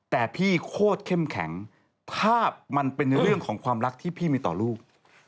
แต่พี่โคตรเข้มแข็งภาพมันเป็นเรื่องของความรักที่พี่มีต่อลูก